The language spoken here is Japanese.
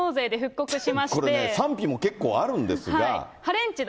これね、賛否も結構あるんですが。